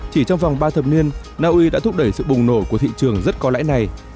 chỉ trong vòng ba thập niên naui đã thúc đẩy sự bùng nổ của thị trường rất có lãi này